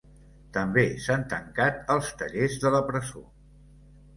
També s’han tancat els tallers de la presó.